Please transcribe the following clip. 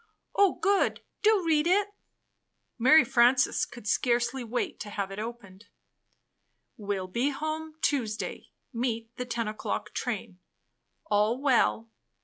"Oh, good! Do read it!" Mary Frances could scarcely wait to have it opened. ■/■/ I \ door jbello Will be home Tuesday. Meet the 10 o'clock train. All well.